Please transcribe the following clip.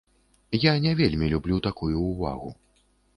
Я не вельмі люблю такую ўвагу.